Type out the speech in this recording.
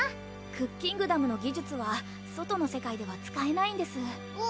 クッキングダムの技術は外の世界では使えないんです